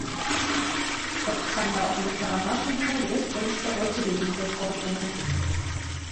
Оксам да увертарымашым нуно вес почто отделений гыч колтеныт.